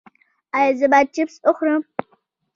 ایا زه باید چپس وخورم؟